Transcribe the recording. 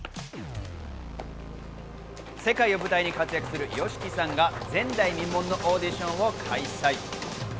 世界を舞台に活躍するＹＯＳＨＩＫＩさんが前代未聞のオーディションを開催。